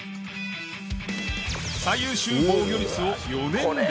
最優秀防御率を４年連続受賞。